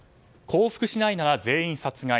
降伏しないなら全員殺害。